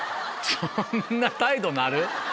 そんな態度なる？